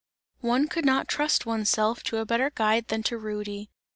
One could not trust one's self to a better guide than to Rudy.